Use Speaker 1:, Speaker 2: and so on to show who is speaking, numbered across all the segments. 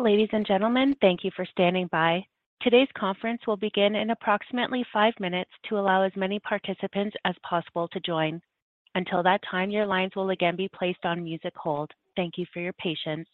Speaker 1: Ladies and gentlemen, thank you for standing by. Today's conference will begin in approximately five minutes to allow as many participants as possible to join. Until that time, your lines will again be placed on music hold. Thank you for your patience.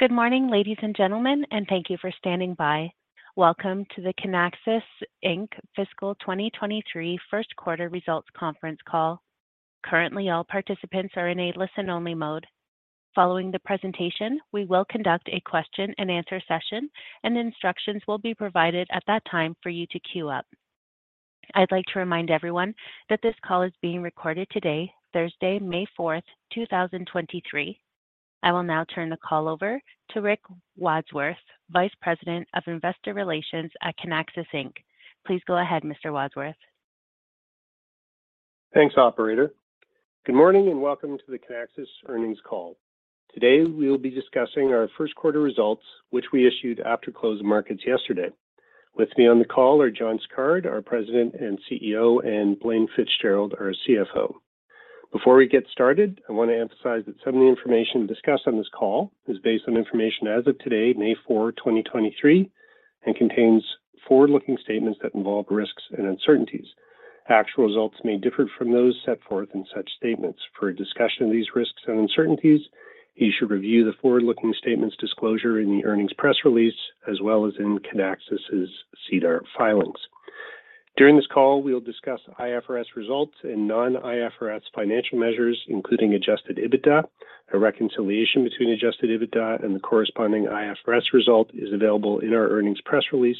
Speaker 1: Good morning, ladies and gentlemen, and thank you for standing by. Welcome to the Kinaxis Inc Fiscal 2023 First Quarter Results Conference Call. Currently, all participants are in a listen-only mode. Following the presentation, we will conduct a question and answer session, and instructions will be provided at that time for you to queue up. I'd like to remind everyone that this call is being recorded today, Thursday, May 4, 2023. I will now turn the call over to Rick Wadsworth, Vice President of Investor Relations at Kinaxis Inc. Please go ahead, Mr. Wadsworth.
Speaker 2: Thanks, operator. Good morning, welcome to the Kinaxis earnings call. Today, we'll be discussing our first quarter results, which we issued after close of markets yesterday. With me on the call are John Sicard, our President and CEO, and Blaine Fitzgerald, our CFO. Before we get started, I want to emphasize that some of the information discussed on this call is based on information as of today, May 4, 2023, and contains forward-looking statements that involve risks and uncertainties. Actual results may differ from those set forth in such statements. For a discussion of these risks and uncertainties, you should review the forward-looking statements disclosure in the earnings press release, as well as in Kinaxis' SEDAR filings. During this call, we'll discuss IFRS results and non-IFRS financial measures, including adjusted EBITDA. A reconciliation between adjusted EBITDA and the corresponding IFRS result is available in our earnings press release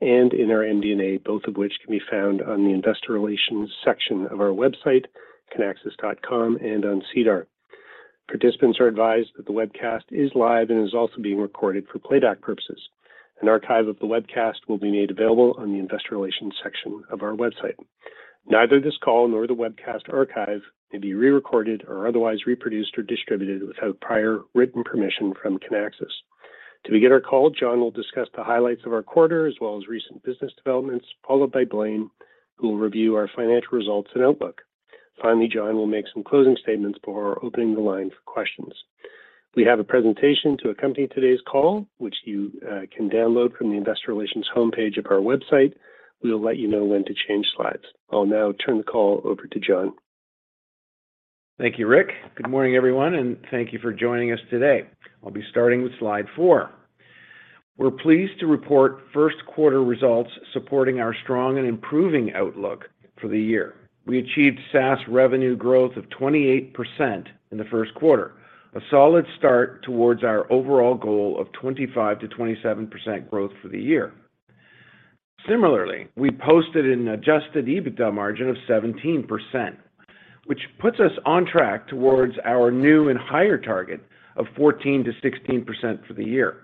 Speaker 2: and in our MD&A, both of which can be found on the investor relations section of our website, kinaxis.com, and on SEDAR. Participants are advised that the webcast is live and is also being recorded for playback purposes. An archive of the webcast will be made available on the Investor Relations section of our website. Neither this call nor the webcast archive may be re-recorded or otherwise reproduced or distributed without prior written permission from Kinaxis. To begin our call, John will discuss the highlights of our quarter, as well as recent business developments, followed by Blaine, who will review our financial results and outlook. Finally, John will make some closing statements before opening the line for questions. We have a presentation to accompany today's call, which you can download from the Investor Relations homepage of our website. We'll let you know when to change slides. I'll now turn the call over to John.
Speaker 3: Thank you, Rick. Good morning, everyone, and thank you for joining us today. I'll be starting with Slide Four. We're pleased to report first quarter results supporting our strong and improving outlook for the year. We achieved SaaS revenue growth of 28% in the first quarter, a solid start towards our overall goal of 25%-27% growth for the year. Similarly, we posted an adjusted EBITDA margin of 17%, which puts us on track towards our new and higher target of 14%-16% for the year.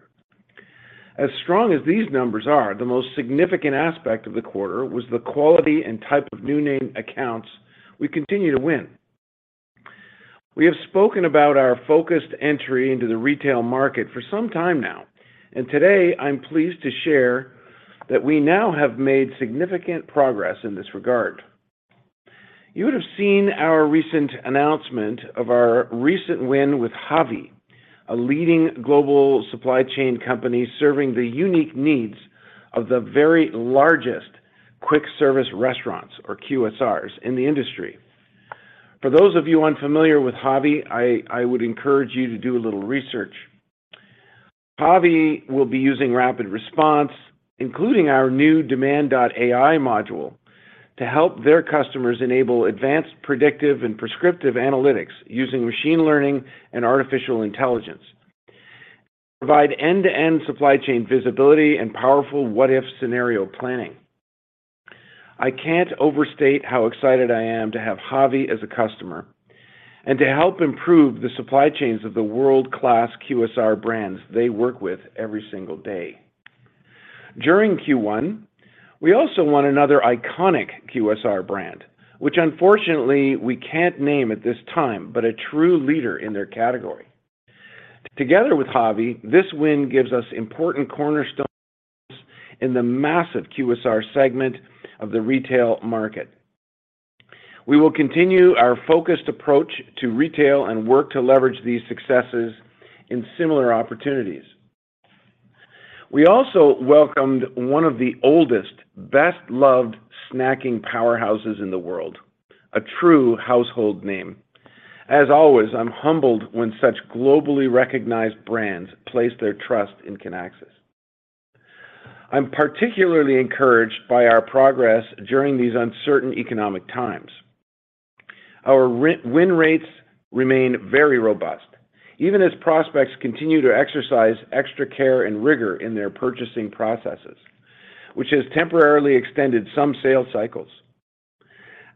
Speaker 3: As strong as these numbers are, the most significant aspect of the quarter was the quality and type of new name accounts we continue to win. We have spoken about our focused entry into the retail market for some time now, and today I'm pleased to share that we now have made significant progress in this regard. You would have seen our recent announcement of our recent win with HAVI, a leading global supply chain company serving the unique needs of the very largest quick service restaurants or QSRs in the industry. For those of you unfamiliar with HAVI, I would encourage you to do a little research. HAVI will be using RapidResponse, including our new Demand.AI module, to help their customers enable advanced predictive and prescriptive analytics using machine learning and artificial intelligence, provide end-to-end supply chain visibility and powerful what-if scenario planning. I can't overstate how excited I am to have HAVI as a customer, and to help improve the supply chains of the world-class QSR brands they work with every single day. During Q1, we also won another iconic QSR brand, which unfortunately we can't name at this time, but a true leader in their category. Together with HAVI, this win gives us important cornerstones in the massive QSR segment of the retail market. We will continue our focused approach to retail and work to leverage these successes in similar opportunities. We also welcomed one of the oldest, best-loved snacking powerhouses in the world, a true household name. As always, I'm humbled when such globally recognized brands place their trust in Kinaxis. I'm particularly encouraged by our progress during these uncertain economic times. Our win rates remain very robust, even as prospects continue to exercise extra care and rigor in their purchasing processes, which has temporarily extended some sales cycles.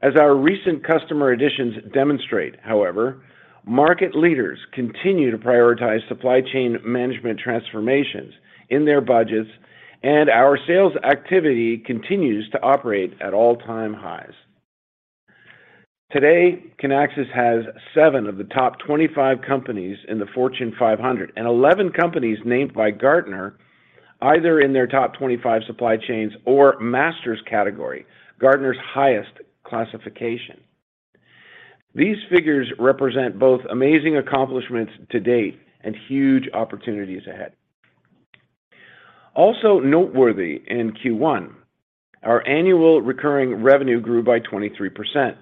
Speaker 3: As our recent customer additions demonstrate, however, market leaders continue to prioritize supply chain management transformations in their budgets, and our sales activity continues to operate at all-time highs. Today, Kinaxis has seven of the top 25 companies in the Fortune 500, and 11 companies named by Gartner, either in their top 25 supply chains or masters category, Gartner's highest classification. These figures represent both amazing accomplishments to date and huge opportunities ahead. Also noteworthy in Q1, our annual recurring revenue grew by 23%.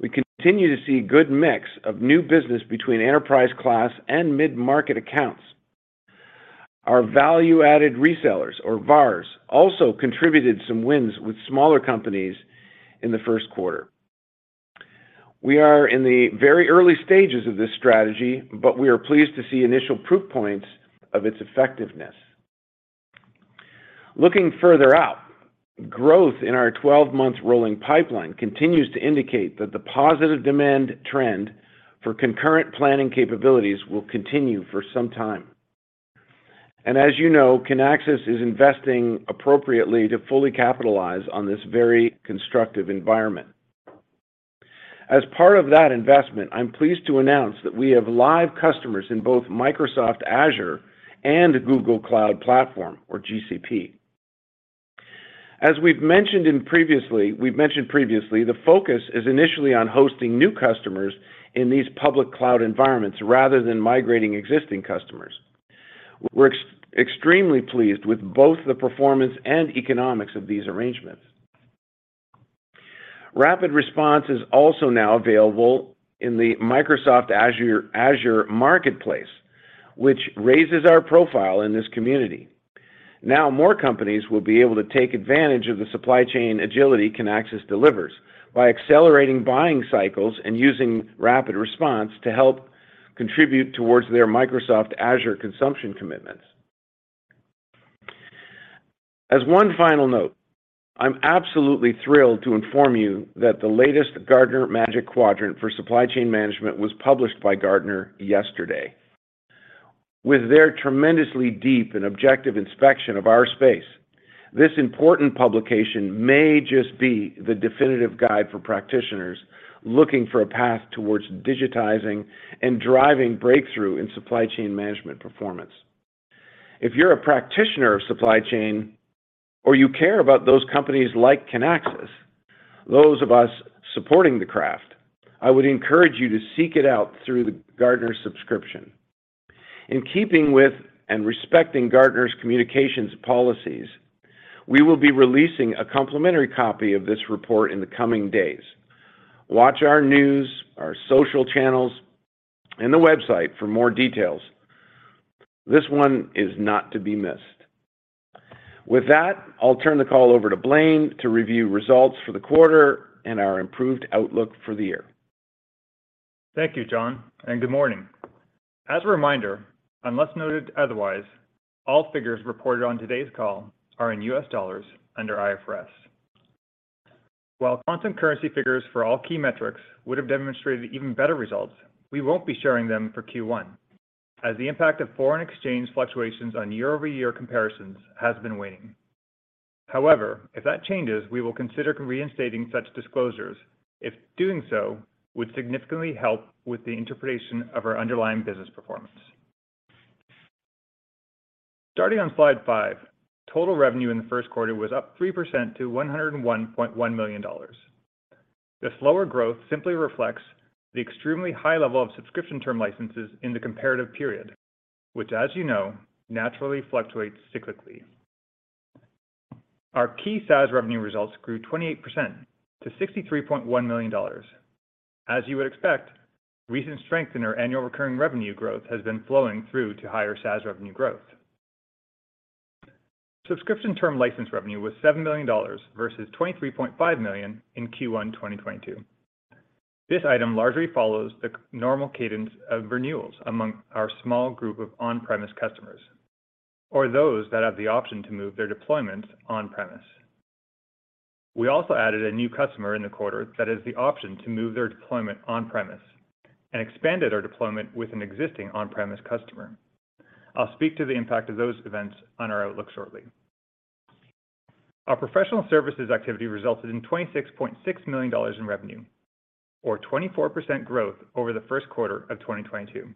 Speaker 3: We continue to see good mix of new business between enterprise class and mid-market accounts. Our value-added resellers or VARs also contributed some wins with smaller companies in the first quarter. We are in the very early stages of this strategy, but we are pleased to see initial proof points of its effectiveness. Looking further out, growth in our 12-month rolling pipeline continues to indicate that the positive demand trend for concurrent planning capabilities will continue for some time. As you know, Kinaxis is investing appropriately to fully capitalize on this very constructive environment. As part of that investment, I'm pleased to announce that we have live customers in both Microsoft Azure and Google Cloud Platform or GCP. As we've mentioned previously, the focus is initially on hosting new customers in these public cloud environments rather than migrating existing customers. We're extremely pleased with both the performance and economics of these arrangements. RapidResponse is also now available in the Microsoft Azure Marketplace, which raises our profile in this community. Now, more companies will be able to take advantage of the supply chain agility Kinaxis delivers by accelerating buying cycles and using RapidResponse to help contribute towards their Microsoft Azure consumption commitments. As one final note, I'm absolutely thrilled to inform you that the latest Gartner Magic Quadrant for Supply Chain Management was published by Gartner yesterday. With their tremendously deep and objective inspection of our space, this important publication may just be the definitive guide for practitioners looking for a path towards digitizing and driving breakthrough in supply chain management performance. If you're a practitioner of supply chain or you care about those companies like Kinaxis, those of us supporting the craft, I would encourage you to seek it out through the Gartner subscription. In keeping with and respecting Gartner's communications policies, we will be releasing a complimentary copy of this report in the coming days. Watch our news, our social channels, and the website for more details. This one is not to be missed. With that, I'll turn the call over to Blaine to review results for the quarter and our improved outlook for the year.
Speaker 4: Thank you, John. Good morning. As a reminder, unless noted otherwise, all figures reported on today's call are in U.S. dollars under IFRS. While constant currency figures for all key metrics would have demonstrated even better results, we won't be sharing them for Q1, as the impact of foreign exchange fluctuations on year-over-year comparisons has been waning. However, if that changes, we will consider reinstating such disclosures if doing so would significantly help with the interpretation of our underlying business performance. Starting on Slide Five, total revenue in the first quarter was up 3% to $101.1 million. The slower growth simply reflects the extremely high level of subscription term licenses in the comparative period, which, as you know, naturally fluctuates cyclically. Our key SaaS revenue results grew 28% to $63.1 million. As you would expect, recent strength in our annual recurring revenue growth has been flowing through to higher SaaS revenue growth. Subscription term license revenue was $7 million versus $23.5 million in Q1 2022. This item largely follows the normal cadence of renewals among our small group of on-premise customers or those that have the option to move their deployments on-premise. We also added a new customer in the quarter that has the option to move their deployment on-premise and expanded our deployment with an existing on-premise customer. I'll speak to the impact of those events on our outlook shortly. Our professional services activity resulted in $26.6 million in revenue or 24% growth over the first quarter of 2022.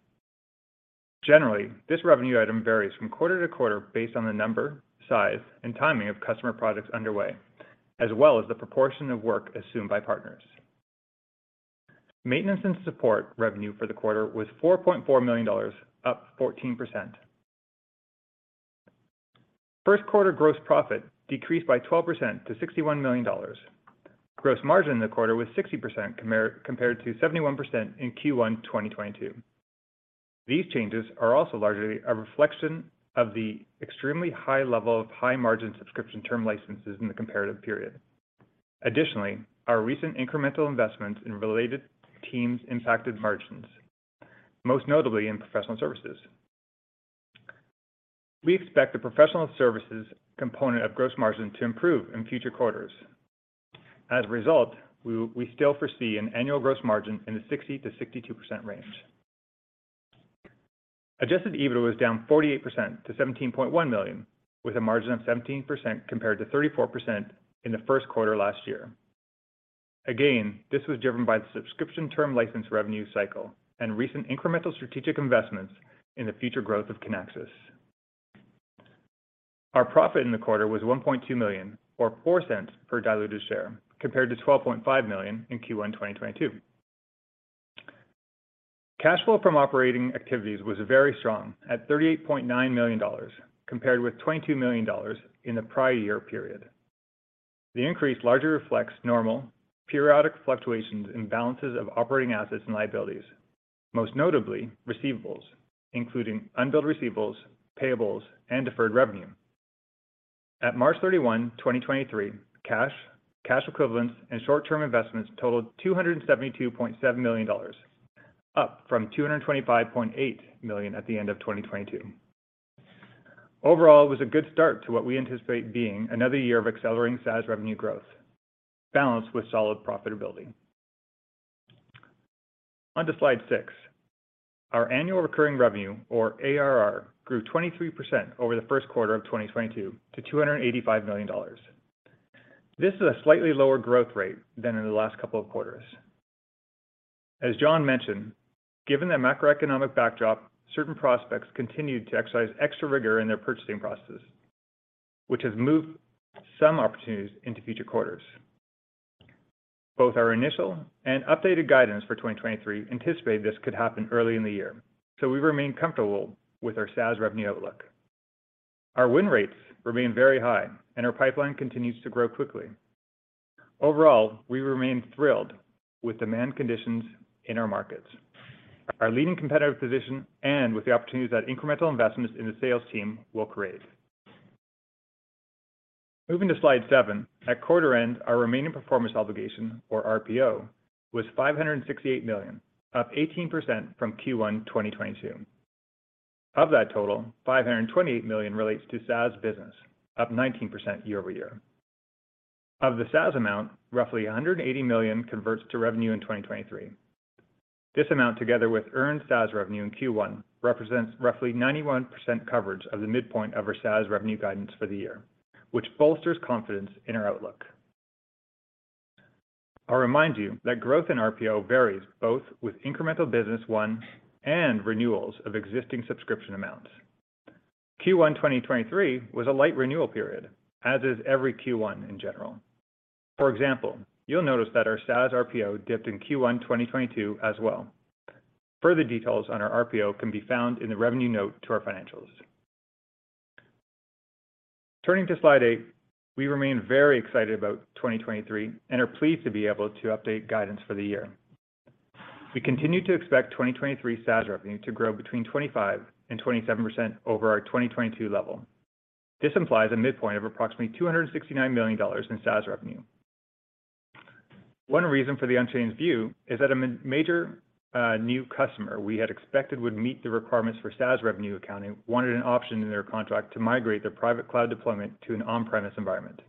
Speaker 4: Generally, this revenue item varies from quarter to quarter based on the number, size, and timing of customer products underway, as well as the proportion of work assumed by partners. Maintenance and support revenue for the quarter was $4.4 million, up 14%. First quarter gross profit decreased by 12% to $61 million. Gross margin in the quarter was 60% compared to 71% in Q1 2022. These changes are also largely a reflection of the extremely high level of high-margin subscription term licenses in the comparative period. Additionally, our recent incremental investment in related teams impacted margins, most notably in professional services. We expect the professional services component of gross margin to improve in future quarters. As a result, we still foresee an annual gross margin in the 60%-62% range. Adjusted EBITDA was down 48% to $17.1 million, with a margin of 17% compared to 34% in the first quarter last year. This was driven by the subscription term license revenue cycle and recent incremental strategic investments in the future growth of Kinaxis. Our profit in the quarter was $1.2 million or $0.04 per diluted share, compared to $12.5 million in Q1 2022. Cash flow from operating activities was very strong at $38.9 million, compared with $22 million in the prior year period. The increase largely reflects normal periodic fluctuations in balances of operating assets and liabilities, most notably receivables, including unbilled receivables, payables, and deferred revenue. At March 31, 2023, cash equivalents, and short-term investments totaled $272.7 million, up from $225.8 million at the end of 2022. Overall, it was a good start to what we anticipate being another year of accelerating SaaS revenue growth balanced with solid profitability. On to Slide Six. Our annual recurring revenue, or ARR, grew 23% over the first quarter of 2022 to $285 million. This is a slightly lower growth rate than in the last couple of quarters. As John mentioned, given the macroeconomic backdrop, certain prospects continued to exercise extra rigor in their purchasing processes, which has moved some opportunities into future quarters. Both our initial and updated guidance for 2023 anticipate this could happen early in the year, we remain comfortable with our SaaS revenue outlook. Our win rates remain very high, and our pipeline continues to grow quickly. Overall, we remain thrilled with demand conditions in our markets. Our leading competitive position and with the opportunities that incremental investments in the sales team will create. Moving to Slide Seven. At quarter end, our remaining performance obligation, or RPO, was $568 million, up 18% from Q1 2022. Of that total, $528 million relates to SaaS business, up 19% year-over-year. Of the SaaS amount, roughly $180 million converts to revenue in 2023. This amount, together with earned SaaS revenue in Q1, represents roughly 91% coverage of the midpoint of our SaaS revenue guidance for the year, which bolsters confidence in our outlook. I'll remind you that growth in RPO varies both with incremental business won and renewals of existing subscription amounts. Q1 2023 was a light renewal period, as is every Q1 in general. For example, you'll notice that our SaaS RPO dipped in Q1 2022 as well. Further details on our RPO can be found in the revenue note to our financials. Turning to Slide Eight. We remain very excited about 2023 and are pleased to be able to update guidance for the year. We continue to expect 2023 SaaS revenue to grow between 25% and 27% over our 2022 level. This implies a midpoint of approximately $269 million in SaaS revenue. One reason for the unchanged view is that a major new customer we had expected would meet the requirements for SaaS revenue accounting wanted an option in their contract to migrate their private cloud deployment to an on-premise environment.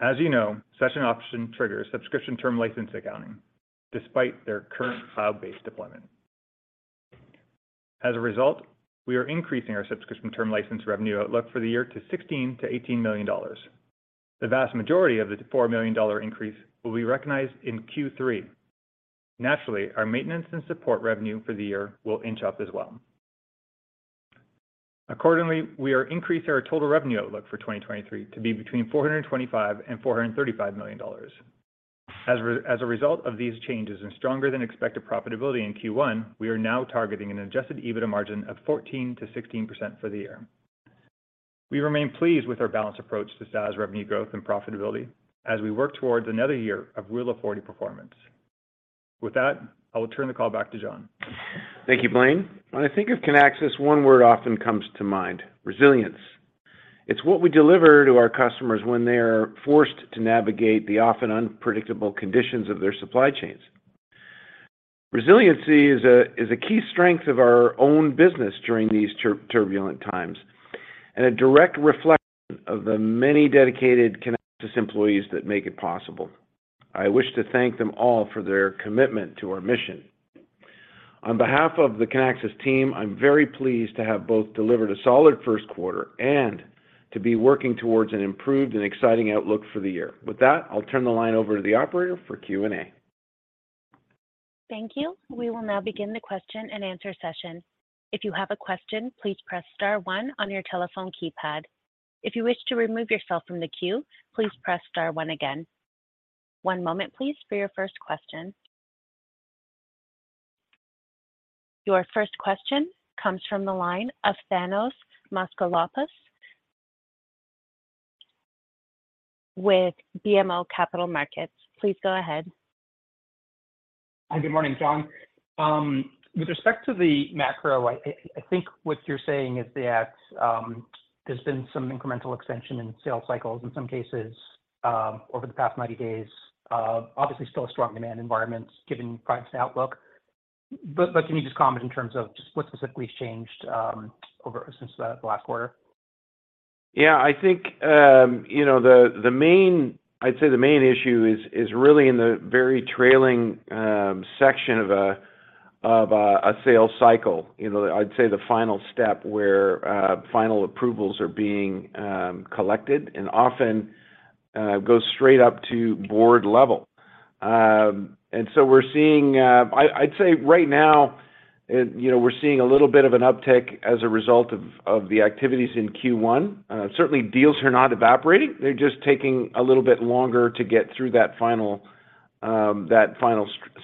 Speaker 4: As you know, such an option triggers subscription term license accounting despite their current cloud-based deployment. As a result, we are increasing our subscription term license revenue outlook for the year to $16 million-$18 million. The vast majority of the $4 million increase will be recognized in Q3. Naturally, our maintenance and support revenue for the year will inch up as well. Accordingly, we are increasing our total revenue outlook for 2023 to be between $425 million and $435 million. As a result of these changes and stronger than expected profitability in Q1, we are now targeting an adjusted EBITDA margin of 14%-16% for the year. We remain pleased with our balanced approach to SaaS revenue growth and profitability as we work towards another year of Rule of 40 performance. With that, I will turn the call back to John.
Speaker 3: Thank you, Blaine. When I think of Kinaxis, one word often comes to mind, resilience. It's what we deliver to our customers when they are forced to navigate the often unpredictable conditions of their supply chains. Resiliency is a key strength of our own business during these turbulent times, and a direct reflection of the many dedicated Kinaxis employees that make it possible. I wish to thank them all for their commitment to our mission. On behalf of the Kinaxis team, I'm very pleased to have both delivered a solid first quarter and to be working towards an improved and exciting outlook for the year. With that, I'll turn the line over to the operator for Q&A.
Speaker 1: Thank you. We will now begin the question and answer session. If you have a question, please press star one on your telephone keypad. If you wish to remove yourself from the queue, please press star one again. One moment please for your first question. Your first question comes from the line of Thanos Moschopoulos with BMO Capital Markets. Please go ahead.
Speaker 5: Hi. Good morning, John. I think what you're saying is that there's been some incremental extension in sales cycles in some cases over the past 90 days. Obviously still a strong demand environment given price outlook. Can you just comment in terms of just what specifically has changed since the last quarter?
Speaker 3: Yeah. I think, you know, the main, I'd say the main issue is really in the very trailing section of a, of a sales cycle. You know, I'd say the final step where final approvals are being collected and often goes straight up to board level. We're seeing, I'd say right now, you know, we're seeing a little bit of an uptick as a result of the activities in Q1. Certainly deals are not evaporating. They're just taking a little bit longer to get through that final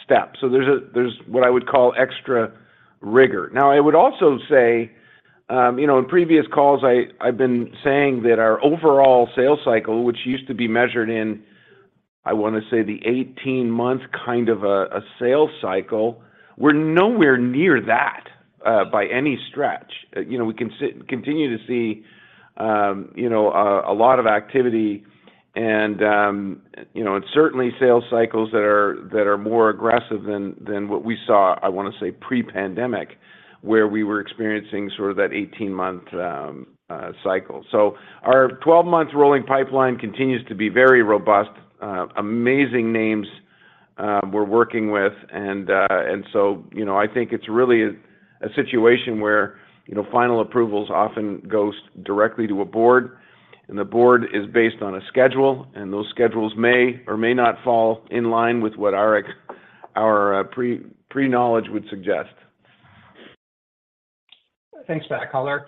Speaker 3: step. So there's what I would call extra rigor. I would also say, you know, in previous calls, I've been saying that our overall sales cycle, which used to be measured in, I wanna say the 18-month kind of a sales cycle, we're nowhere near that by any stretch. You know, we continue to see, you know, a lot of activity and, you know, and certainly sales cycles that are more aggressive than what we saw, I wanna say, pre-pandemic, where we were experiencing sort of that 18-month cycle. Our 12-month rolling pipeline continues to be very robust, amazing names we're working with, you know, I think it's really a situation where, you know, final approvals often goes directly to a board, and the board is based on a schedule, and those schedules may or may not fall in line with what our pre-knowledge would suggest.
Speaker 5: Thanks for that, color.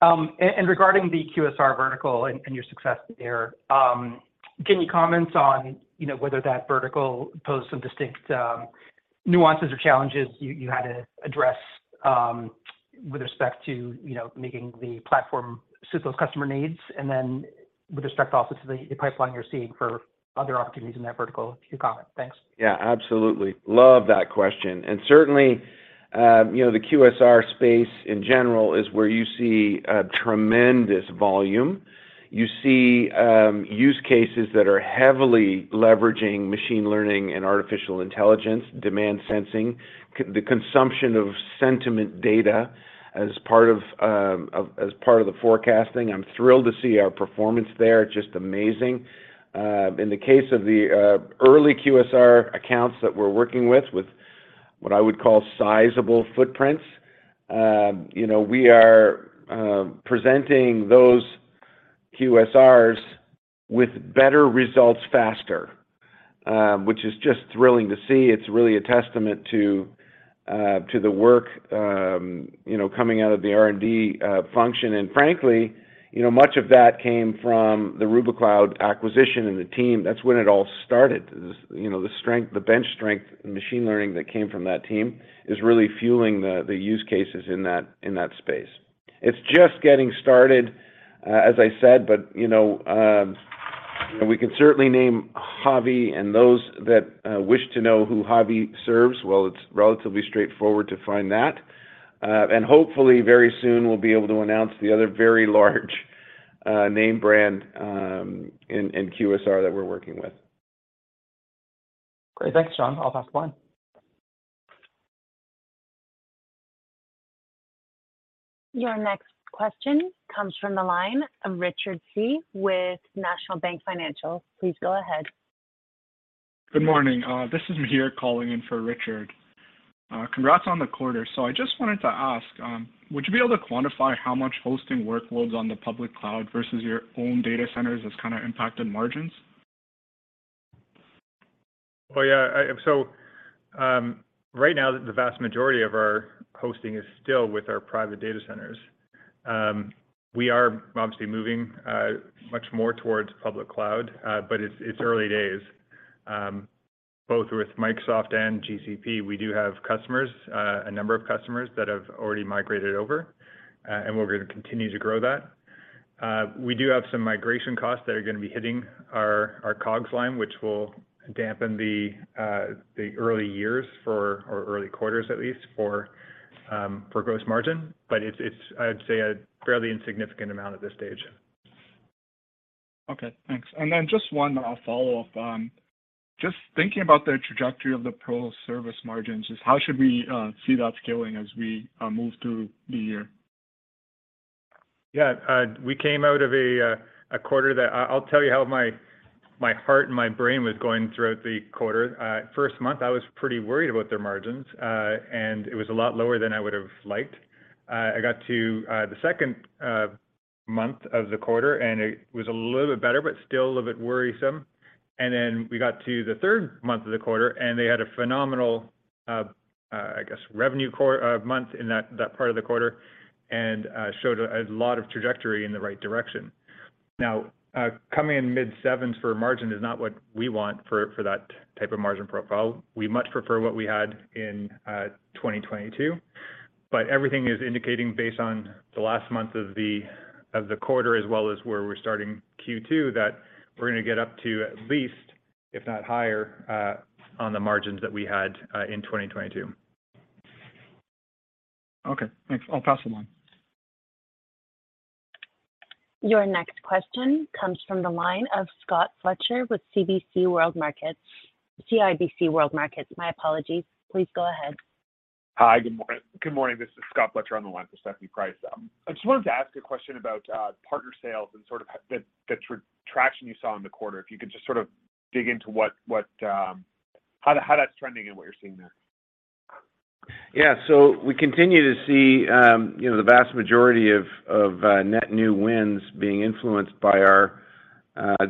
Speaker 5: Regarding the QSR vertical and your success there, can you comment on, you know, whether that vertical posed some distinct nuances or challenges you had to address with respect to, you know, making the platform suit those customer needs? Then with respect also to the pipeline you're seeing for other opportunities in that vertical, if you comment? Thanks.
Speaker 3: Yeah, absolutely. Love that question. Certainly, you know, the QSR space in general is where you see tremendous volume. You see, use cases that are heavily leveraging machine learning and artificial intelligence, demand sensing, the consumption of sentiment data as part of the forecasting. I'm thrilled to see our performance there. Just amazing. In the case of the early QSR accounts that we're working with what I would call sizable footprints, you know, we are presenting those QSRs with better results faster, which is just thrilling to see. It's really a testament to the work, you know, coming out of the R&D function. Frankly, you know, much of that came from the Rubikloud acquisition and the team. That's when it all started. This is, you know, the strength, the bench strength in machine learning that came from that team is really fueling the use cases in that, in that space. It's just getting started, as I said, but, you know, we can certainly name HAVI and those that wish to know who HAVI serves, well, it's relatively straightforward to find that. Hopefully very soon we'll be able to announce the other very large name brand in QSR that we're working with.
Speaker 5: Great. Thanks, John. I'll pass the line.
Speaker 1: Your next question comes from the line of Richard Tse with National Bank Financial. Please go ahead.
Speaker 6: Good morning. This is Mihir calling in for Richard. Congrats on the quarter. I just wanted to ask, would you be able to quantify how much hosting workloads on the public cloud versus your own data centers has kind of impacted margins?
Speaker 4: Yeah. Right now the vast majority of our hosting is still with our private data centers. We are obviously moving much more towards public cloud, but it's early days. Both with Microsoft and GCP, we do have customers, a number of customers that have already migrated over, and we're gonna continue to grow that. We do have some migration costs that are gonna be hitting our COGS line, which will dampen the early years for, or early quarters at least for gross margin. It's I'd say a fairly insignificant amount at this stage.
Speaker 6: Okay, thanks. Just one follow-up. Just thinking about the trajectory of the pro service margins, how should we see that scaling as we move through the year?
Speaker 4: Yeah. We came out of a quarter that. I'll tell you how my heart and my brain was going throughout the quarter. First month I was pretty worried about their margins, and it was a lot lower than I would've liked. I got to the second month of the quarter, and it was a little bit better, but still a little bit worrisome. We got to the third month of the quarter, and they had a phenomenal, I guess revenue month in that part of the quarter, and showed a lot of trajectory in the right direction. Coming in mid-7s% for margin is not what we want for that type of margin profile. We much prefer what we had in 2022. Everything is indicating based on the last month of the, of the quarter, as well as where we're starting Q2, that we're gonna get up to at least, if not higher, on the margins that we had in 2022.
Speaker 6: Okay, thanks. I'll pass the line.
Speaker 1: Your next question comes from the line of Scott Fletcher with CIBC World Markets, my apologies. Please go ahead.
Speaker 7: Hi. Good morning. This is Scott Fletcher on the line for CIBC. I just wanted to ask a question about partner sales and sort of the traction you saw in the quarter. If you could just sort of dig into what how that's trending and what you're seeing there.
Speaker 3: Yeah. We continue to see, you know, the vast majority of net new wins being influenced by our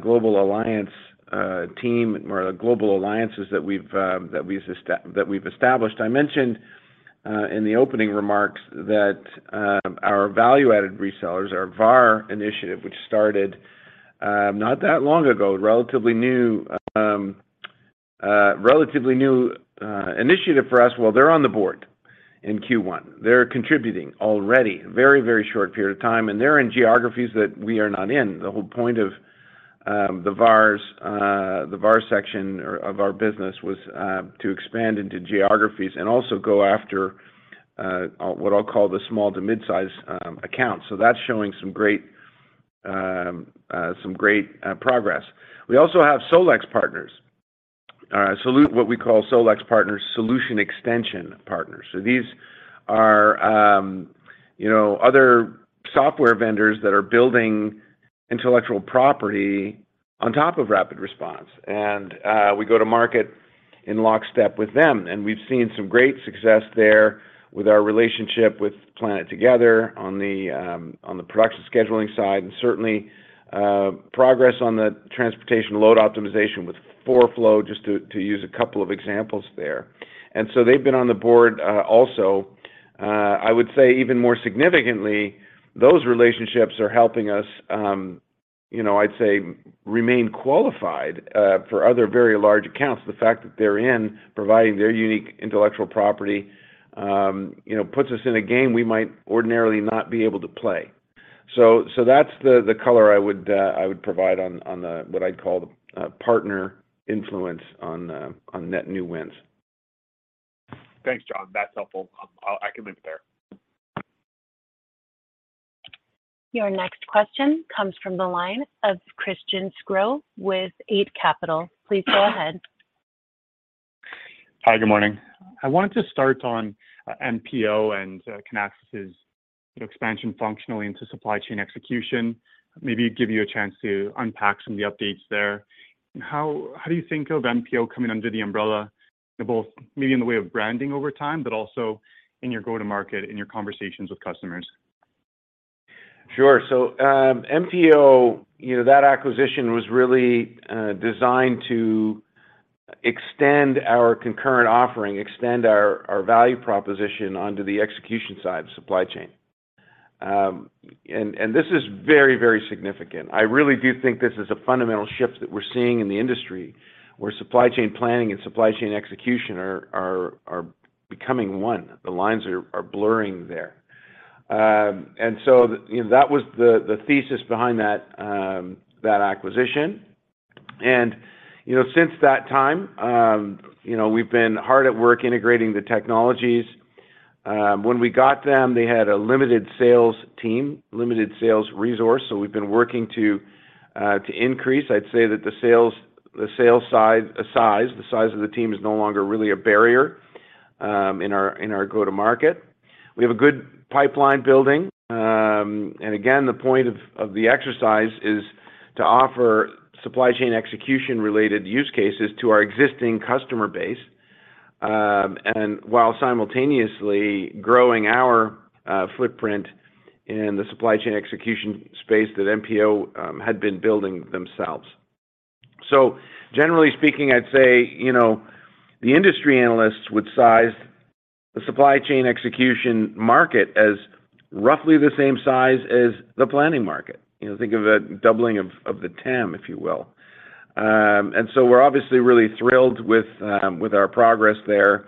Speaker 3: global alliance team or the global alliances that we've established. I mentioned in the opening remarks that our value-added resellers, our VAR initiative, which started not that long ago, relatively new initiative for us, well, they're on the board in Q1. They're contributing already, very short period of time. They're in geographies that we are not in. The whole point of the VARs, the VAR section of our business was to expand into geographies and also go after what I'll call the small to midsize accounts. That's showing some great progress. We also have SolEx partners. what we call SolEx partners, solution extension partners. These are. You know, other software vendors that are building intellectual property on top of RapidResponse, we go to market in lockstep with them. We've seen some great success there with our relationship with PlanetTogether on the production scheduling side, certainly progress on the transportation load optimization with 4flow just to use a couple of examples there. They've been on the board also. I would say even more significantly, those relationships are helping us, you know, I'd say remain qualified for other very large accounts. The fact that they're in providing their unique intellectual property, you know, puts us in a game we might ordinarily not be able to play. That's the color I would provide on the what I'd call the partner influence on net new wins.
Speaker 7: Thanks, John. That's helpful. I can leave it there.
Speaker 1: Your next question comes from the line of Christian Sgro with Eight Capital. Please go ahead.
Speaker 8: Hi, good morning. I wanted to start on MPO and Kinaxis' expansion functionally into supply chain execution. Maybe give you a chance to unpack some of the updates there. How do you think of MPO coming under the umbrella, both maybe in the way of branding over time, but also in your go-to-market, in your conversations with customers?
Speaker 3: Sure. MPO, you know, that acquisition was really designed to extend our concurrent offering, extend our value proposition onto the execution side of supply chain. This is very, very significant. I really do think this is a fundamental shift that we're seeing in the industry, where supply chain planning and supply chain execution are becoming one. The lines are blurring there. You know, that was the thesis behind that acquisition. You know, since that time, you know, we've been hard at work integrating the technologies. When we got them, they had a limited sales team, limited sales resource, so we've been working to increase. I'd say that the size of the team is no longer really a barrier in our go-to-market. We have a good pipeline building. Again, the point of the exercise is to offer supply chain execution related use cases to our existing customer base and while simultaneously growing our footprint in the supply chain execution space that MPO had been building themselves. Generally speaking, I'd say, you know, the industry analysts would size the supply chain execution market as roughly the same size as the planning market. You know, think of a doubling of the TAM, if you will. We're obviously really thrilled with our progress there.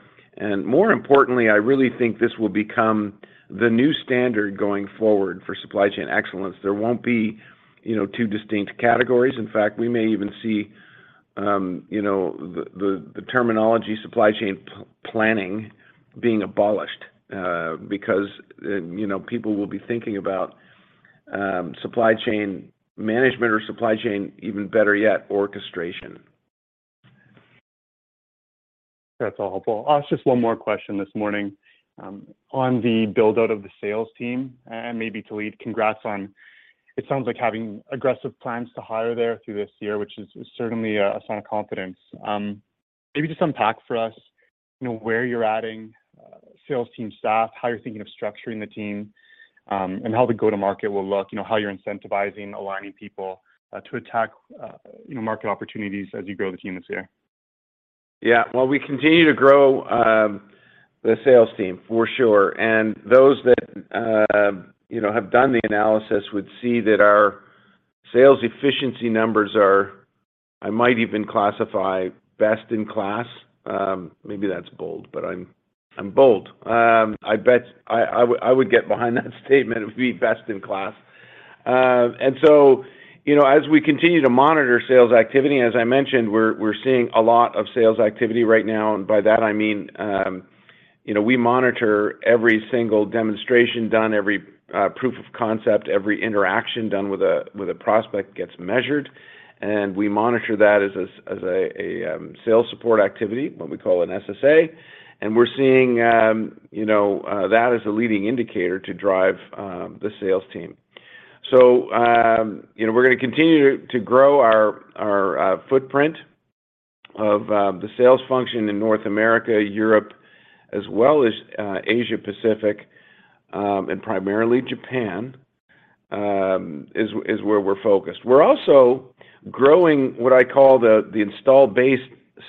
Speaker 3: More importantly, I really think this will become the new standard going forward for supply chain excellence. There won't be, you know, two distinct categories. In fact, we may even see, you know, the, the terminology supply chain planning being abolished, because, you know, people will be thinking about, supply chain management or supply chain, even better yet, orchestration.
Speaker 8: That's all helpful. Just one more question this morning. On the build-out of the sales team, and maybe to lead, congrats on it sounds like having aggressive plans to hire there through this year, which is certainly a sign of confidence. Maybe just unpack for us, you know, where you're adding sales team staff, how you're thinking of structuring the team, and how the go-to-market will look, you know, how you're incentivizing, aligning people to attack, you know, market opportunities as you grow the team this year?
Speaker 3: Yeah. Well, we continue to grow the sales team for sure. Those that, you know, have done the analysis would see that our sales efficiency numbers are, I might even classify best in class. Maybe that's bold, but I'm bold. I bet I would get behind that statement it would be best in class. You know, as we continue to monitor sales activity, as I mentioned, we're seeing a lot of sales activity right now. By that I mean, you know, we monitor every single demonstration done, every proof of concept, every interaction done with a prospect gets measured, and we monitor that as a sales support activity, what we call an SSA. We're seeing, you know, that as a leading indicator to drive the sales team. You know, we're gonna continue to grow our footprint of the sales function in North America, Europe, as well as Asia-Pacific, and primarily Japan is where we're focused. We're also growing what I call the installed base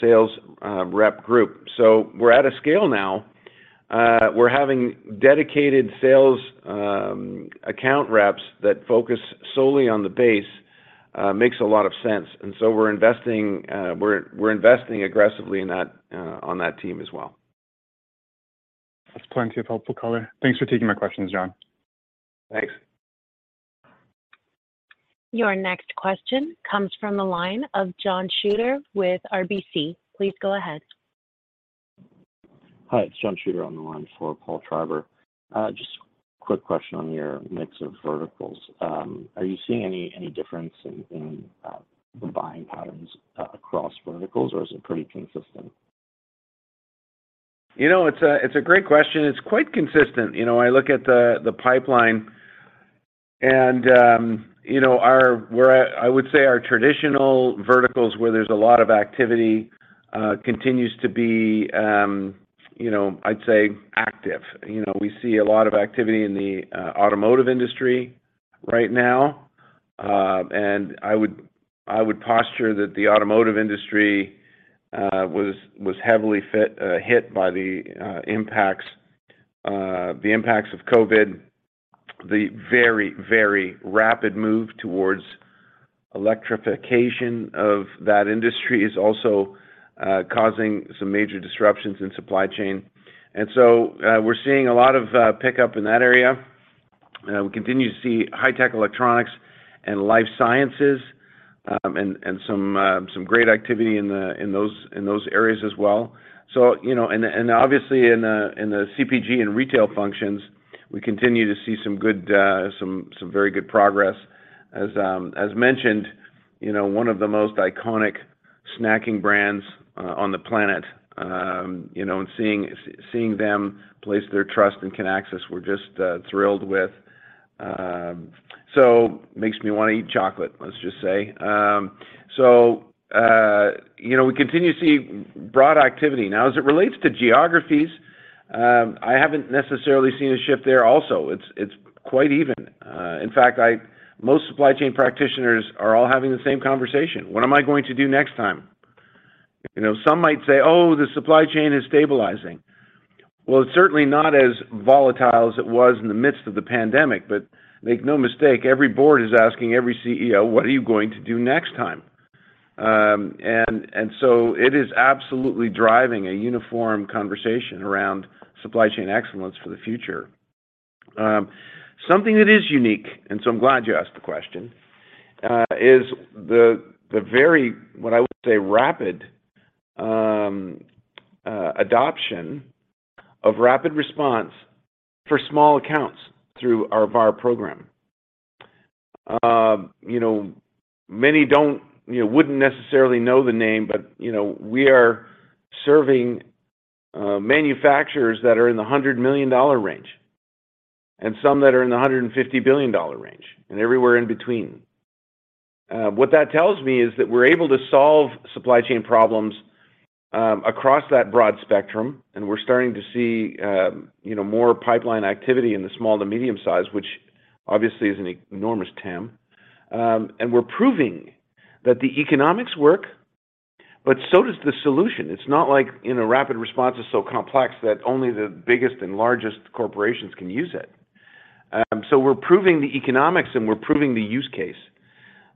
Speaker 3: sales rep group. We're at a scale now where having dedicated sales account reps that focus solely on the base makes a lot of sense. We're investing aggressively in that on that team as well.
Speaker 8: That's plenty of helpful color. Thanks for taking my questions, John.
Speaker 3: Thanks.
Speaker 1: Your next question comes from the line of John Shuter with RBC. Please go ahead.
Speaker 9: Hi, it's John Shuter on the line for Paul Treiber. Just quick question on your mix of verticals. Are you seeing any difference in the buying patterns across verticals, or is it pretty consistent?
Speaker 3: You know, it's a great question. It's quite consistent. You know, I look at the pipeline and, you know, where I would say our traditional verticals where there's a lot of activity continues to be, you know, I'd say active. You know, we see a lot of activity in the automotive industry right now. I would posture that the automotive industry was heavily hit by the impacts, the impacts of COVID. The very rapid move towards electrification of that industry is also causing some major disruptions in supply chain. We're seeing a lot of pickup in that area. We continue to see high tech electronics and life sciences, and some great activity in those areas as well. You know, and obviously in the CPG and retail functions, we continue to see some good, some very good progress. As mentioned, you know, one of the most iconic snacking brands on the planet, you know, and seeing them place their trust in Kinaxis, we're just thrilled with. Makes me wanna eat chocolate, let's just say. You know, we continue to see broad activity. Now, as it relates to geographies, I haven't necessarily seen a shift there also. It's quite even. In fact, I most supply chain practitioners are all having the same conversation: What am I going to do next time? You know, some might say, oh, the supply chain is stabilizing. Well, it's certainly not as volatile as it was in the midst of the pandemic, but make no mistake, every board is asking every CEO, what are you going to do next time? It is absolutely driving a uniform conversation around supply chain excellence for the future. Something that is unique, and so I'm glad you asked the question, is the very, what I would say, rapid, adoption of RapidResponse for small accounts through our VAR program. You know, many don't, you know, wouldn't necessarily know the name, but, you know, we are serving manufacturers that are in the $100 million range and some that are in the $150 billion range, and everywhere in between. What that tells me is that we're able to solve supply chain problems across that broad spectrum, and we're starting to see, you know, more pipeline activity in the small to medium-size, which obviously is an enormous TAM. We're proving that the economics work, but so does the solution. It's not like, you know, RapidResponse is so complex that only the biggest and largest corporations can use it. We're proving the economics, and we're proving the use case.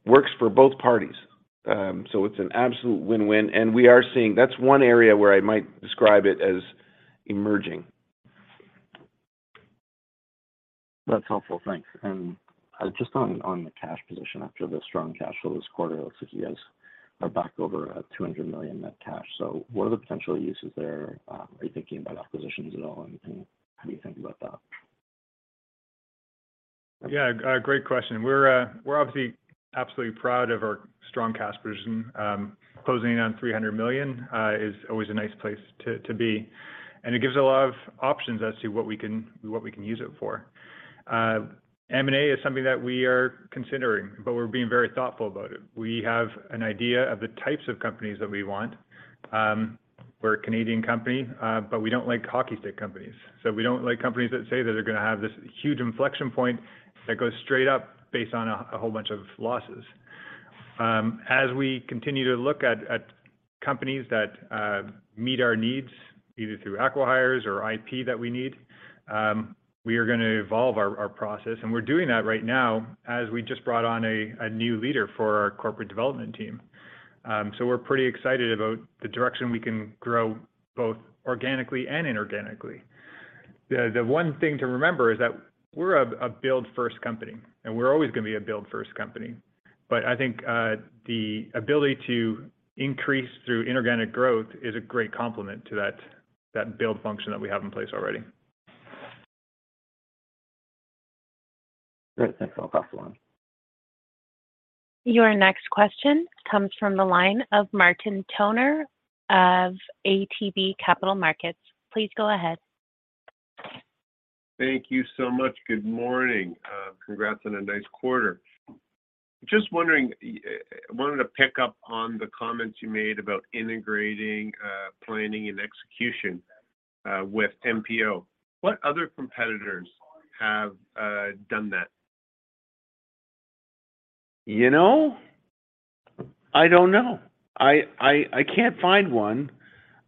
Speaker 3: Works for both parties. It's an absolute win-win. That's one area where I might describe it as emerging.
Speaker 9: That's helpful. Thanks. Just on the cash position after the strong cash flow this quarter, it looks like you guys are back over at $200 million net cash. What are the potential uses there? Are you thinking about acquisitions at all, and how do you think about that?
Speaker 4: Yeah, a great question. We're obviously absolutely proud of our strong cash position. Closing in on $300 million is always a nice place to be, and it gives a lot of options as to what we can use it for. M&A is something that we are considering, but we're being very thoughtful about it. We have an idea of the types of companies that we want. We're a Canadian company, but we don't like hockey stick companies. We don't like companies that say that they're gonna have this huge inflection point that goes straight up based on a whole bunch of losses. As we continue to look at companies that meet our needs, either through acquihires or IP that we need, we are gonna evolve our process, and we're doing that right now as we just brought on a new leader for our corporate development team. We're pretty excited about the direction we can grow both organically and inorganically. The one thing to remember is that we're a build-first company, and we're always gonna be a build-first company. I think the ability to increase through inorganic growth is a great complement to that build function that we have in place already.
Speaker 9: Great. Thanks. I'll pass along.
Speaker 1: Your next question comes from the line of Martin Toner of ATB Capital Markets. Please go ahead.
Speaker 10: You know, I don't know. I can't find one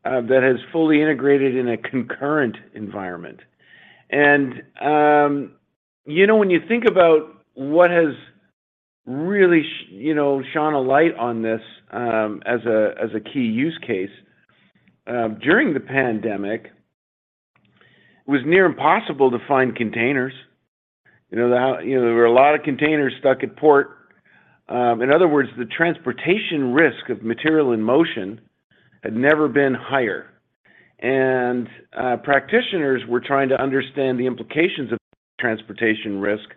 Speaker 10: that has fully integrated in a concurrent environment. You know, when you think about what has really shone a light on this as a key use case during the pandemic, it was near impossible to find containers. You know, there were a lot of containers stuck at port. In other words, the transportation risk of material in motion had never been higher. Practitioners were trying to understand the implications of transportation risk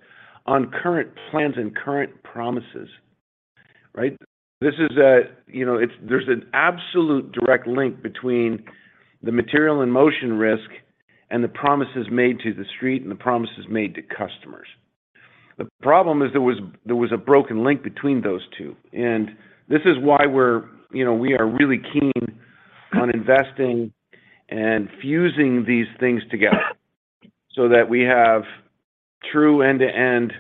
Speaker 10: on current plans and current promises. Right? This is a, you know, there's an absolute direct link between the material in motion risk and the promises made to the street and the promises made to customers.
Speaker 3: The problem is there was a broken link between those two. This is why we're, you know, we are really keen on investing and fusing these things together so that we have true end-to-end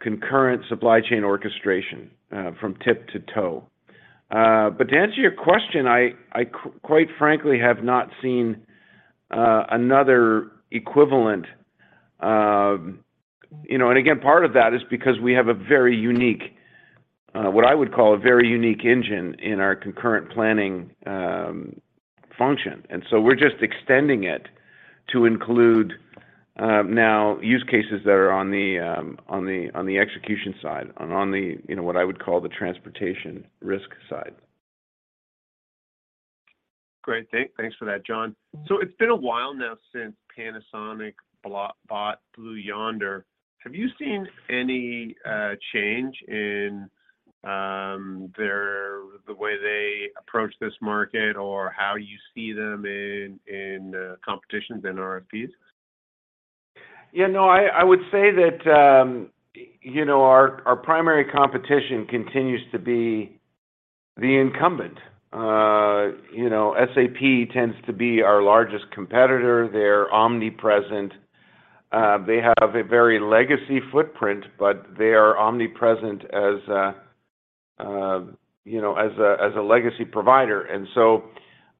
Speaker 3: concurrent supply chain orchestration from tip to toe. To answer your question, I quite frankly have not seen another equivalent. You know, and again, part of that is because we have a very unique, what I would call a very unique engine in our concurrent planning function. We're just extending it to include now use cases that are on the, on the execution side, on the, you know, what I would call the transportation risk side.
Speaker 10: Great. Thanks for that, John. It's been a while now since Panasonic bought Blue Yonder. Have you seen any change in the way they approach this market or how you see them in competitions and RFPs?
Speaker 3: You know, I would say that, you know, our primary competition continues to be the incumbent. You know, SAP tends to be our largest competitor. They're omnipresent. They have a very legacy footprint, but they are omnipresent as a, you know, as a, as a legacy provider.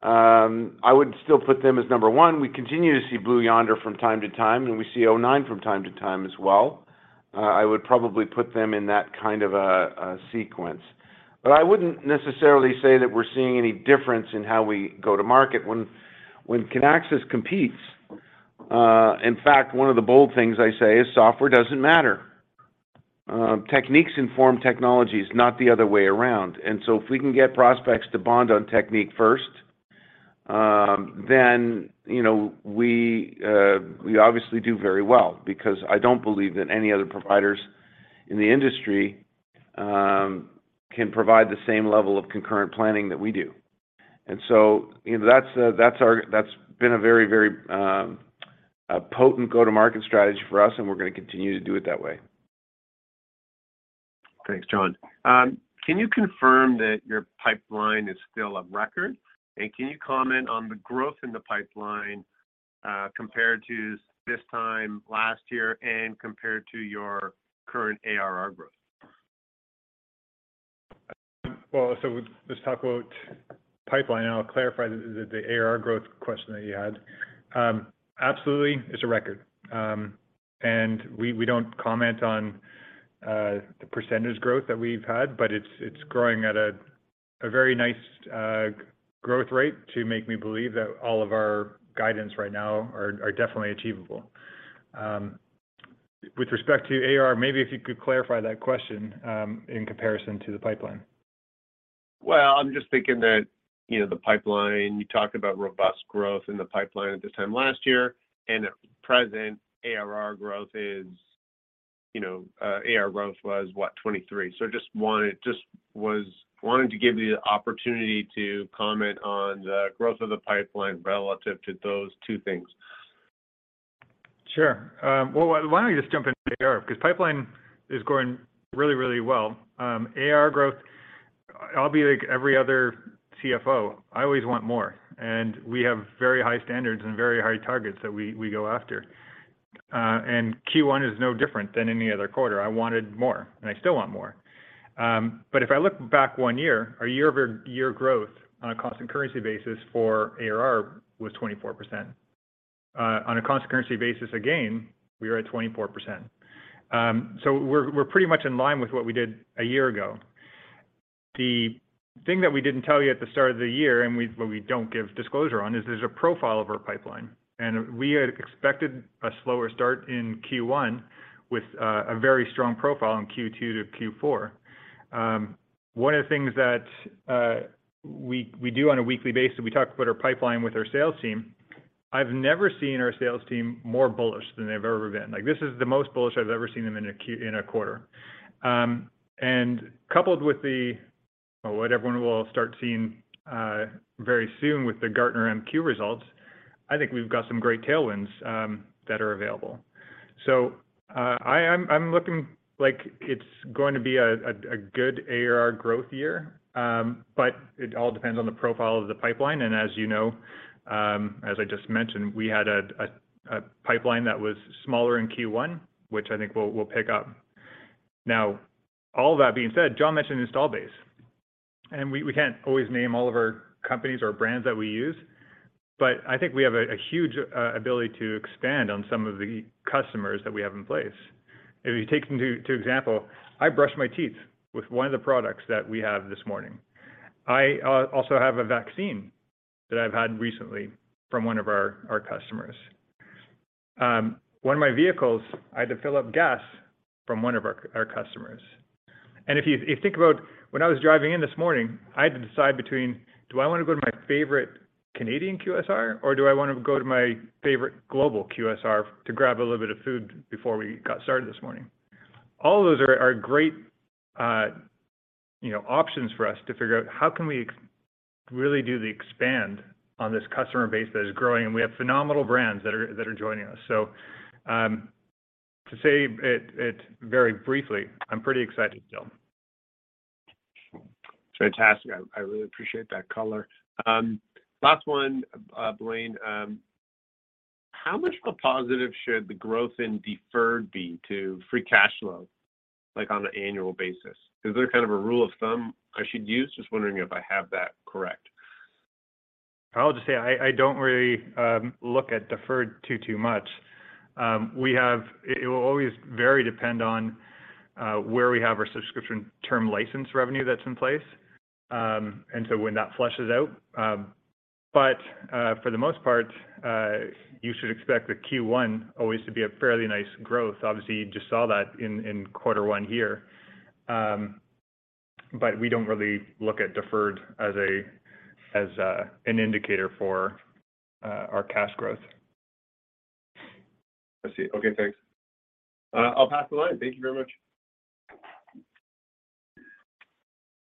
Speaker 3: I would still put them as number 1. We continue to see Blue Yonder from time to time, and we see o9 Solutions from time to time as well. I would probably put them in that kind of a sequence. I wouldn't necessarily say that we're seeing any difference in how we go to market. When Kinaxis competes, in fact, one of the bold things I say is software doesn't matter. Techniques inform technologies, not the other way around. If we can get prospects to bond on technique first, then, you know, we obviously do very well because I don't believe that any other providers in the industry can provide the same level of concurrent planning that we do. You know, that's been a very, very potent go-to-market strategy for us, and we're gonna continue to do it that way.
Speaker 10: Thanks, John. Can you confirm that your pipeline is still of record? Can you comment on the growth in the pipeline compared to this time last year and compared to your current ARR growth?
Speaker 4: Let's talk about pipeline, and I'll clarify the ARR growth question that you had. Absolutely, it's a record. We don't comment on the percentage growth that we've had, but it's growing at a very nice growth rate to make me believe that all of our guidance right now are definitely achievable. With respect to ARR, maybe if you could clarify that question in comparison to the pipeline.
Speaker 10: I'm just thinking that, you know, the pipeline, you talked about robust growth in the pipeline at this time last year. At present, ARR growth is, you know, ARR growth was, what, 23%. Just was wanting to give you the opportunity to comment on the growth of the pipeline relative to those two things.
Speaker 4: Sure. Well, why don't we just jump into the ARR because pipeline is going really, really well. ARR growth, I'll be like every other CFO, I always want more. We have very high standards and very high targets that we go after. Q1 is no different than any other quarter. I wanted more, and I still want more. If I look back one year, our year-over-year growth on a constant currency basis for ARR was 24%. On a constant currency basis, again, we are at 24%. We're pretty much in line with what we did a year ago. The thing that we didn't tell you at the start of the year, we don't give disclosure on, is there's a profile of our pipeline. We had expected a slower start in Q1 with a very strong profile in Q2 to Q4. One of the things that we do on a weekly basis, we talk about our pipeline with our sales team. I've never seen our sales team more bullish than they've ever been. Like, this is the most bullish I've ever seen them in a quarter. Coupled with the, well, what everyone will start seeing very soon with the Gartner MQ results, I think we've got some great tailwinds that are available. I'm looking like it's going to be a good ARR growth year, but it all depends on the profile of the pipeline. As you know, as I just mentioned, we had a pipeline that was smaller in Q1, which I think will pick up. Now, all that being said, John mentioned install base. We can't always name all of our companies or brands that we use, but I think we have a huge ability to expand on some of the customers that we have in place. If you take them to example, I brushed my teeth with one of the products that we have this morning. I also have a vaccine that I've had recently from one of our customers. One of my vehicles, I had to fill up gas from one of our customers. If you think about when I was driving in this morning, I had to decide between, do I want to go to my favorite, Canadian QSR, or do I want to go to my favorite global QSR to grab a little bit of food before we got started this morning? All those are great, you know, options for us to figure out how can we really do the expand on this customer base that is growing, and we have phenomenal brands that are joining us. To say it very briefly, I'm pretty excited still.
Speaker 10: Fantastic. I really appreciate that color. Last one, Blaine. How much of a positive should the growth in deferred be to free cash flow, like, on an annual basis? Is there kind of a rule of thumb I should use? Just wondering if I have that correct.
Speaker 4: I'll just say I don't really look at deferred too much. It will always vary depend on where we have our subscription term license revenue that's in place, and so when that flushes out. For the most part, you should expect the Q1 always to be a fairly nice growth. Obviously, you just saw that in quarter one here. We don't really look at deferred as an indicator for our cash growth.
Speaker 10: I see. Okay, thanks. I'll pass the line. Thank you very much.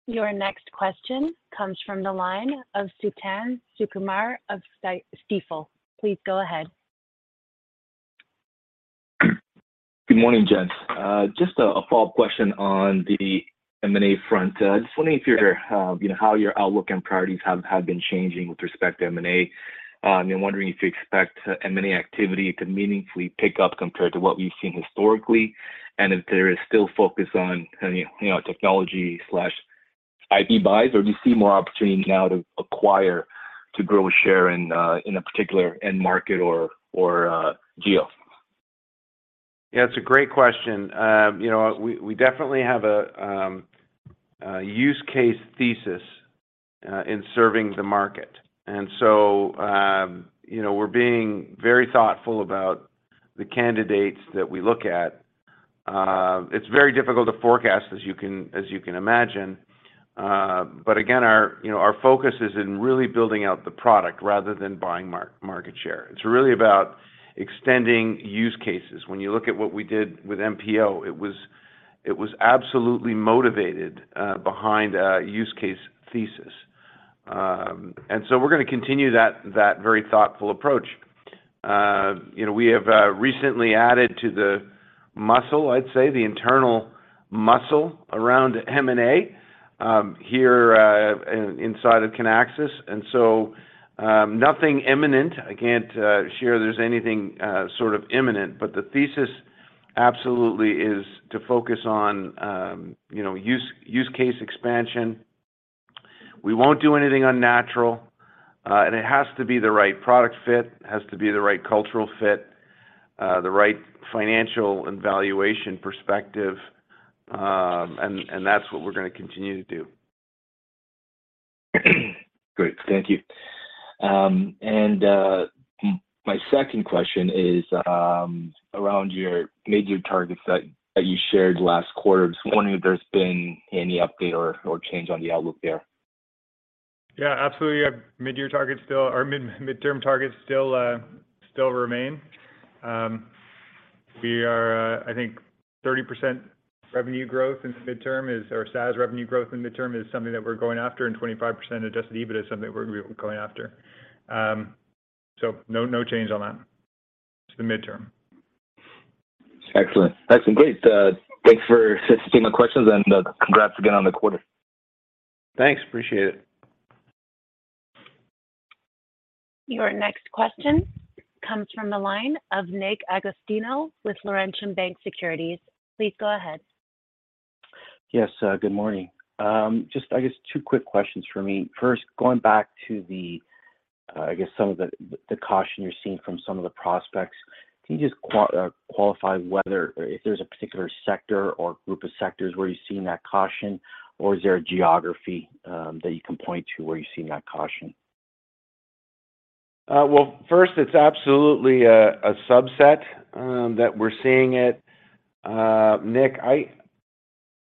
Speaker 1: Your next question comes from the line of Suthan Sukumar of Stifel. Please go ahead.
Speaker 11: Good morning, gents. just a follow-up question on the M&A front. just wondering if your, you know, how your outlook and priorities have been changing with respect to M&A. I'm wondering if you expect M&A activity to meaningfully pick up compared to what we've seen historically and if there is still focus on, you know, technology/IP buys, or do you see more opportunities now to acquire to grow share in a particular end market or geo?
Speaker 3: Yeah, it's a great question. You know, we definitely have a use case thesis in serving the market. You know, we're being very thoughtful about the candidates that we look at. It's very difficult to forecast, as you can imagine. But again, our, you know, our focus is in really building out the product rather than buying market share. It's really about extending use cases. When you look at what we did with MPO, it was absolutely motivated behind a use case thesis. We're gonna continue that very thoughtful approach. You know, we have recently added to the muscle, I'd say, the internal muscle around M&A here inside of Kinaxis. Nothing imminent. I can't share there's anything sort of imminent. The thesis absolutely is to focus on, you know, use case expansion. We won't do anything unnatural. It has to be the right product fit, has to be the right cultural fit, the right financial and valuation perspective. That's what we're gonna continue to do.
Speaker 11: Great. Thank you. My second question is, around your major targets that you shared last quarter. Just wondering if there's been any update or change on the outlook there.
Speaker 4: Yeah, absolutely. Our midyear targets. Our mid-term targets still remain. We are, I think, 30% revenue growth in the midterm or SaaS revenue growth in the midterm is something that we're going after. 25% adjusted EBITDA is something we're going after. No, no change on that to the midterm.
Speaker 11: Excellent. That's great. Thanks for taking my questions and, congrats again on the quarter.
Speaker 3: Thanks. Appreciate it.
Speaker 1: Your next question comes from the line of Nick Agostino with Laurentian Bank Securities. Please go ahead.
Speaker 12: Good morning. Just I guess two quick questions from me. First, going back to the, I guess, some of the caution you're seeing from some of the prospects. Can you just qualify whether if there's a particular sector or group of sectors where you're seeing that caution, or is there a geography that you can point to where you're seeing that caution?
Speaker 3: Well, first, it's absolutely a subset that we're seeing it. Nick,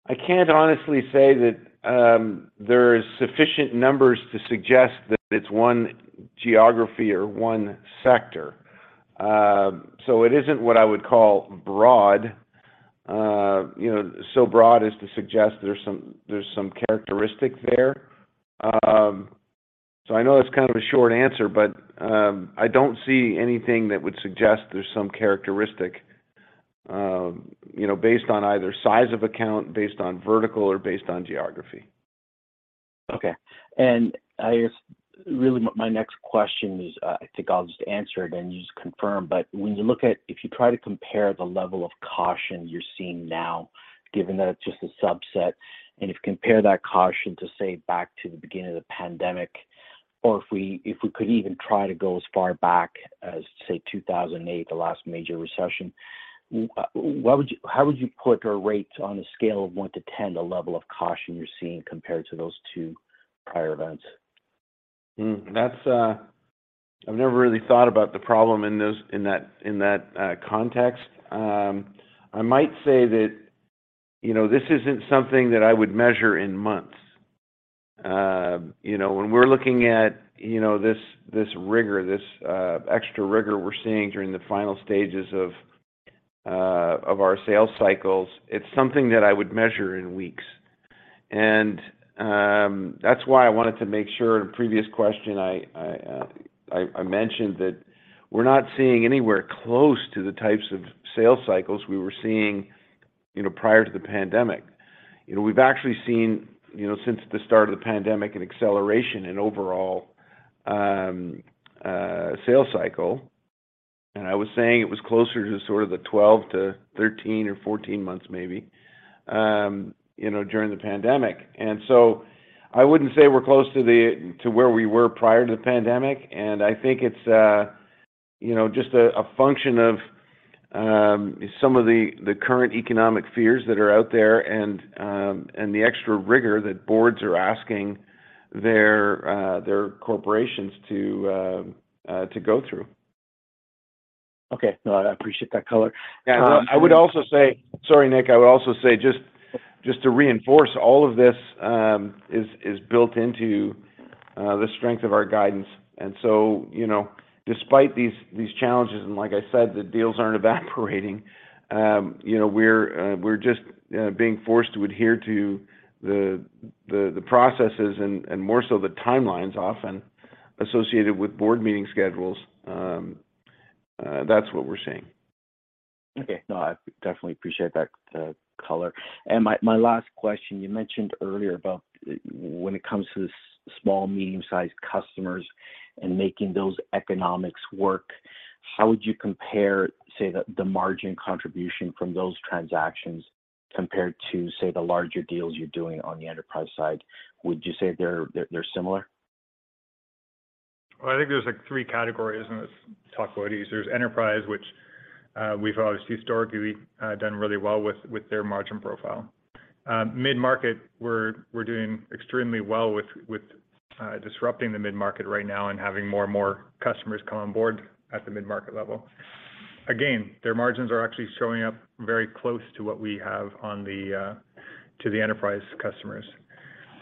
Speaker 3: I can't honestly say that there is sufficient numbers to suggest that it's one geography or one sector. It isn't what I would call broad, you know, so broad as to suggest there's some characteristic there. I know that's kind of a short answer, but I don't see anything that would suggest there's some characteristic, you know, based on either size of account, based on vertical, or based on geography.
Speaker 12: Okay. I guess, really my next question is, I think I'll just answer it and you just confirm. When you look at if you try to compare the level of caution you're seeing now, given that it's just a subset, and if you compare that caution to, say, back to the beginning of the pandemic, or if we, if we could even try to go as far back as, say, 2008, the last major recession, how would you put or rate on a scale of one to ten the level of caution you're seeing compared to those two prior events?
Speaker 3: That's I've never really thought about the problem in that context. I might say that You know, this isn't something that I would measure in months. You know, when we're looking at, you know, this rigor, this extra rigor we're seeing during the final stages of our sales cycles, it's something that I would measure in weeks. That's why I wanted to make sure the previous question I mentioned that we're not seeing anywhere close to the types of sales cycles we were seeing, you know, prior to the pandemic. You know, we've actually seen, you know, since the start of the pandemic, an acceleration in overall sales cycle. I was saying it was closer to sort of the 12 to 13 or 14 months maybe, you know, during the pandemic. I wouldn't say we're close to where we were prior to the pandemic, and I think it's, you know, just a function of some of the current economic fears that are out there and the extra rigor that boards are asking their corporations to go through.
Speaker 12: Okay. No, I appreciate that color.
Speaker 3: Yeah. I would also say. Sorry, Nick. I would also say, just to reinforce all of this, is built into the strength of our guidance. You know, despite these challenges, and like I said, the deals aren't evaporating. You know, we're just being forced to adhere to the processes and more so the timelines often associated with board meeting schedules. That's what we're seeing.
Speaker 12: Okay. No, I definitely appreciate that color. My last question, you mentioned earlier about when it comes to the small, medium-sized customers and making those economics work, how would you compare, say, the margin contribution from those transactions compared to, say, the larger deals you're doing on the enterprise side? Would you say they're similar?
Speaker 4: Well, I think there's like three categories, and let's talk about these. There's enterprise, which we've obviously historically done really well with their margin profile. Mid-market, we're doing extremely well with disrupting the mid-market right now and having more and more customers come on board at the mid-market level. Again, their margins are actually showing up very close to what we have on the to the enterprise customers.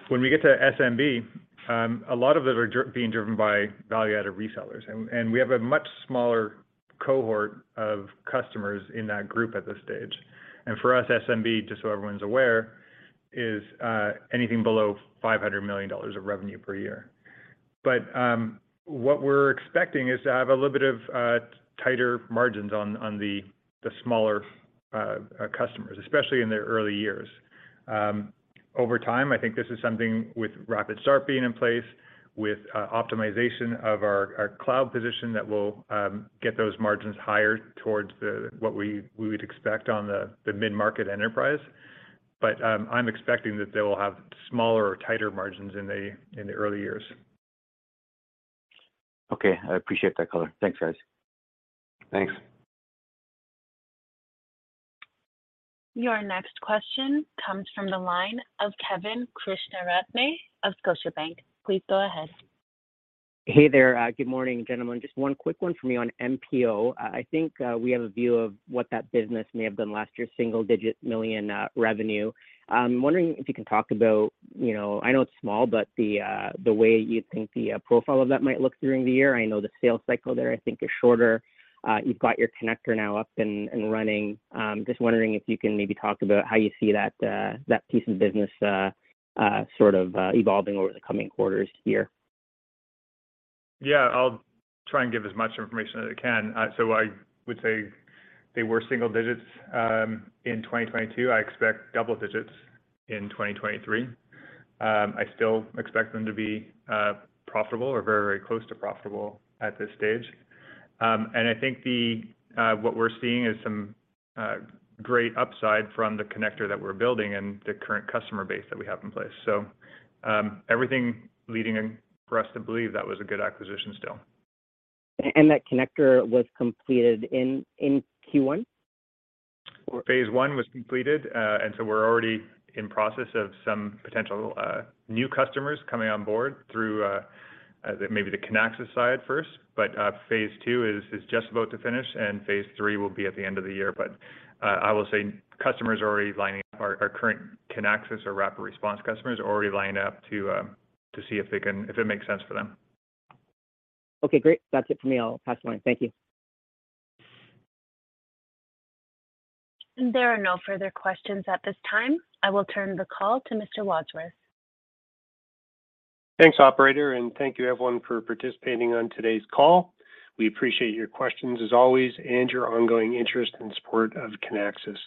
Speaker 4: When we get to SMB, a lot of them are being driven by value-added resellers. We have a much smaller cohort of customers in that group at this stage. For us, SMB, just so everyone's aware, is anything below $500 million of revenue per year. What we're expecting is to have a little bit of tighter margins on the smaller customers, especially in their early years. Over time, I think this is something with RapidStart being in place, with optimization of our cloud position that will get those margins higher towards what we would expect on the mid-market enterprise. I'm expecting that they will have smaller or tighter margins in the early years.
Speaker 12: Okay. I appreciate that color. Thanks, guys.
Speaker 3: Thanks.
Speaker 1: Your next question comes from the line of Kevin Krishnaratne of Scotiabank. Please go ahead.
Speaker 13: Hey there. Good morning, gentlemen. Just one quick one for me on MPO. I think we have a view of what that business may have done last year, single digit million revenue. I'm wondering if you can talk about, you know, I know it's small, but the way you think the profile of that might look during the year. I know the sales cycle there I think is shorter. You've got your connector now up and running. Just wondering if you can maybe talk about how you see that piece of business sort of evolving over the coming quarters here.
Speaker 4: Yeah. I'll try and give as much information as I can. I would say they were single digits in 2022. I expect double digits in 2023. I still expect them to be profitable or very, very close to profitable at this stage. I think the what we're seeing is some great upside from the connector that we're building and the current customer base that we have in place. Everything leading for us to believe that was a good acquisition still.
Speaker 13: That connector was completed in Q1?
Speaker 4: Phase I was completed. We're already in process of some potential new customers coming on board through the, maybe the Kinaxis side first. Phase II is just about to finish, and phase III will be at the end of the year. I will say customers are already lining up. Our current Kinaxis or RapidResponse customers are already lined up to see if it makes sense for them.
Speaker 13: Okay, great. That's it for me. I'll pass the line. Thank you.
Speaker 1: There are no further questions at this time. I will turn the call to Mr. Wadsworth.
Speaker 2: Thanks, operator, and thank you everyone for participating on today's call. We appreciate your questions as always and your ongoing interest and support of Kinaxis.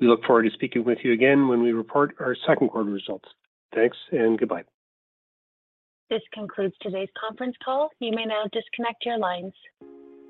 Speaker 2: We look forward to speaking with you again when we report our second quarter results. Thanks and goodbye.
Speaker 1: This concludes today's conference call. You may now disconnect your lines.